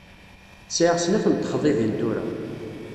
Sɛiɣ snat n texḍibin tura.